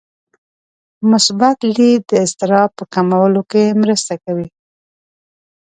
مثبت لید د اضطراب په کمولو کې مرسته کوي.